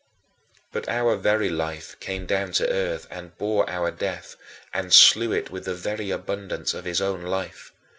19. But our very Life came down to earth and bore our death, and slew it with the very abundance of his own life.